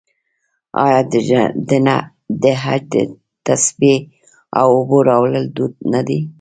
آیا د حج نه د تسبیح او اوبو راوړل دود نه دی؟